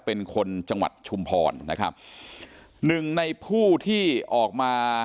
เป็นคนจังหวัดชุมพรนะครับหนึ่งในผู้ที่ออกมา